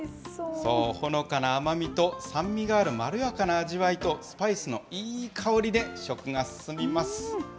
そう、ほのかな甘みと酸味があるまろやかな味わいと、スパイスのいい香りで食が進みます。